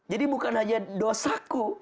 jadi bukan hanya dosaku